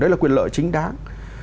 đấy là quyền lợi chính đáng